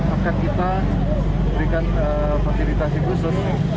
akan kita berikan fasilitasi khusus